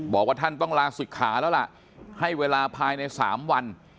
บอกว่าท่านต้องลาศิกขาแล้วล่ะให้เวลาภายใน๓วัน